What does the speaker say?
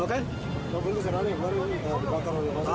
bukan berhenti sekarang ini baru dibakar